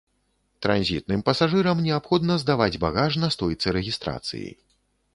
Транзітным пасажырам неабходна здаваць багаж на стойцы рэгістрацыі.